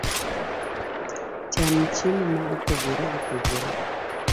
Cham chiemo ma opogore opogore